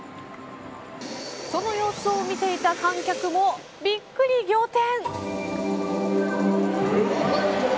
その様子を見ていた観客もびっくり仰天。